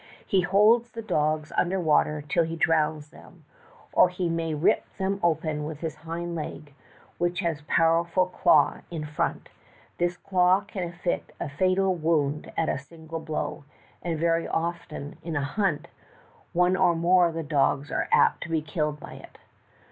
He holds the dogs under water till he drowns them, or he may rip them open with his hind leg, which has a pow erful claw in front; this claw can inflict a fatal wound at a single blow, and very often, in a hunt, one or more of the dogs are apt to be killed by it.